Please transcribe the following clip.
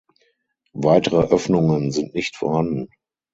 Weitere Öffnungen sind nicht vorhanden.